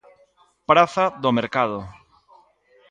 Praza do Mercado.